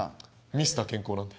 ミスター健康なんで。